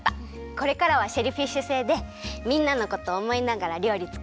これからはシェルフィッシュ星でみんなのことおもいながらりょうりつくるね。